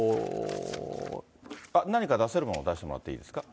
何か出せるもの出してもらっていいですか。